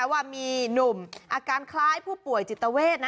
ว่ามีหนุ่มอาการคล้ายผู้ป่วยจิตเวท